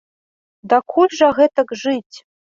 Дакуль жа гэтак жыць!